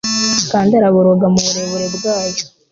Kandi araboroga mu burebure bwayo